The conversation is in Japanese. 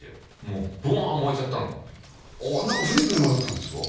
もうボワーッ燃えちゃったの古い車だったんですか？